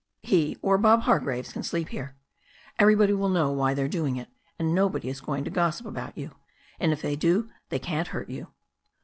He or Bob Hargraves can sleep here. Everybody will know why they're doing it, and nobody is going to gossip abouf you, and if they do they can't hurt you."